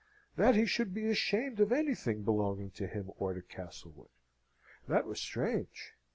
That he should be ashamed of anything belonging to him or to Castlewood! That was strange.